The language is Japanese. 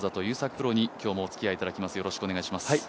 プロに今日もおつきあいいただきます。